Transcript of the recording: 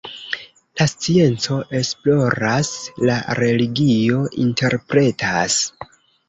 La scienco esploras, la religio interpretas.